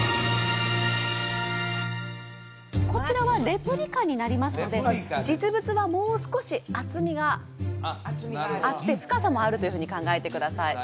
こちらはレプリカになりますので実物はもう少し厚みがあって深さもあるというふうに考えてください